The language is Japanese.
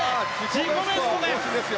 自己ベストです！